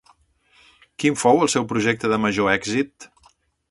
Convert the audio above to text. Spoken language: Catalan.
Quin fou el seu projecte de major èxit?